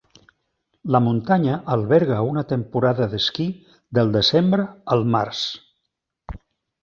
La muntanya alberga una temporada d'esquí del desembre al març.